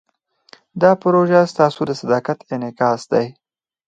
دا پروژه ستاسو د صداقت انعکاس دی.